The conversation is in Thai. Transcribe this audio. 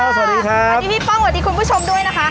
อันนี้พี่ป้องคุณผู้ชมด้วยนะคะ